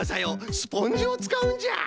スポンジをつかうんじゃ。